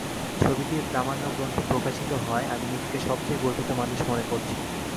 ছবিটির প্রামাণ্য গ্রন্থ প্রকাশিত হওয়ায় আমি নিজেকে সবচেয়ে গর্বিত মানুষ মনে করছি।